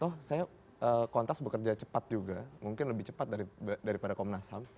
oh saya kontras bekerja cepat juga mungkin lebih cepat daripada komnas ham